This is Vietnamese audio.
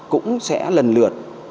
cũng sẽ lần lượt